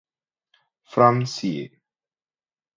From ca.